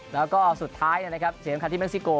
แล้วก็สุดท้ายนะครับเสียงสำคัญที่เม็กซิโก